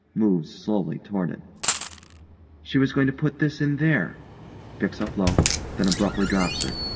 Moves slowly toward it_) She was going to put this in there, (_picks up loaf, then abruptly drops it.